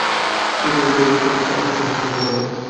যতই উপরে উঠবে, ততই শ্বাসস্বল্পতা বাড়বে।